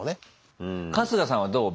春日さんはどう？